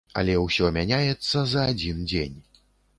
Але ўсё мяняецца за адзін дзень.